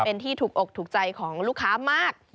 เป็นที่ถูกอกถูกใจของลูกค้ามาก